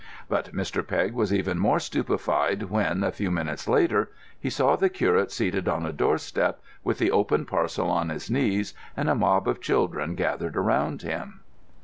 But Mr. Pegg was even more stupefied when, a few minutes later, he saw the curate seated on a doorstep, with the open parcel on his knees, and a mob of children gathered around him.